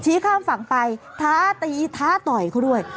ข้ามฝั่งไปท้าตีท้าต่อยเขาด้วย